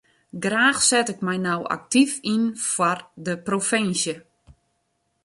Graach set ik my no aktyf yn foar de provinsje.